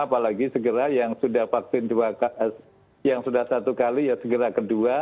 apalagi yang sudah satu kali ya segera kedua